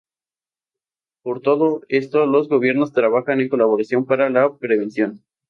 Por todo esto los gobiernos trabajan en colaboración para la prevención.